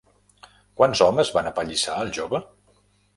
Quants homes van apallissar al jove?